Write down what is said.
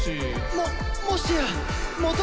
「ももしや、、元カレ、、！！？？」。